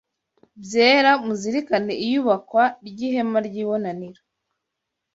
Byera muzirikane iyubakwa ry’ihema ry’ibonaniro